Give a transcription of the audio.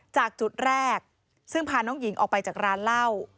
จากจุดแรกซึ่งพาน้องหญิงออกไปจากร้านเหล้า